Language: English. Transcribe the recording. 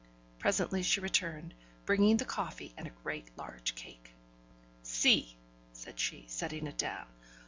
Presently she returned, bringing the coffee and a great large cake. 'See!' said she, setting it down.